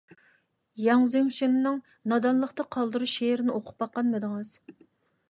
ياڭ زېڭشىننىڭ «نادانلىقتا قالدۇرۇش» شېئىرىنى ئوقۇپ باققانمىدىڭىز؟